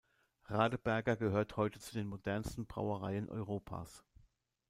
Radeberger gehört heute zu den modernsten Brauereien Europas.